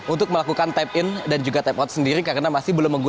untuk melakukan tap in dan juga tap out sendiri karena masih belum menggunakan